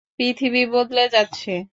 পৃথিবী বদলে যাচ্ছে।